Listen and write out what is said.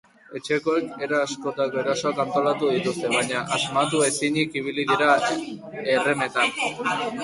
Etxekoek era askotako erasoak antolatu dituzte, baina asmatu ezinik ibili dira errematean.